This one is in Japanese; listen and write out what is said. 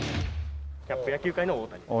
キャップ野球界の大谷です。